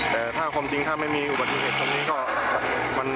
แต่ถ้าความจริงถ้าไม่มีอุบัติเหตุตรงนี้ก็